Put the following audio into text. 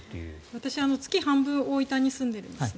私、月半分は大分に住んでいるんですね。